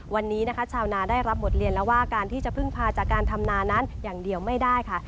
วันนี้นะคะชาวนาได้รับบทเรียนแล้วว่าการที่จะพึ่งพาจากการทำนานั้นอย่างเดียวไม่ได้ค่ะ